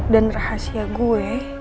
dan rahasia gue